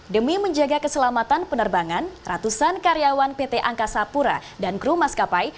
demi menjaga keselamatan penerbangan ratusan karyawan pt angkasa pura dan kru maskapai